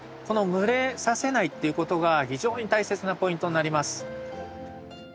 この蒸れさせないっていうことが非常に大切なポイントになります。